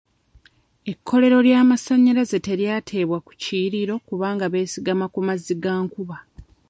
Ekkolero ly'amasanyalaze telyateebwa ku kiyiriro kubanga beesigama ku mazzi ga nkuba.